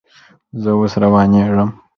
زه اوس روانېږم